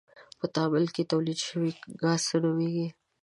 په تعامل کې تولید شوی ګاز څه نومیږي؟